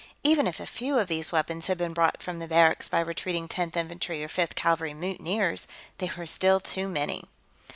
Even if a few of these weapons had been brought from the barracks by retreating Tenth Infantry or Fifth Cavalry mutineers, there were still too many.